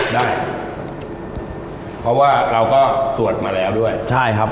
ได้เพราะว่าเราก็ตรวจมาแล้วด้วยใช่ครับ